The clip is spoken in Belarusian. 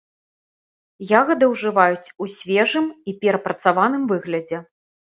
Ягады ўжываюць у свежым і перапрацаваным выглядзе.